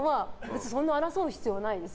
そんな争う必要はないです。